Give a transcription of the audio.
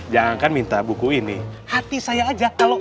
jangan kan minta buku ini hati saya aja kalau